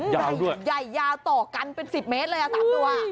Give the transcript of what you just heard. เย่ยยาวต่อกันเป็น๑๐เมตรเลย๓ตัว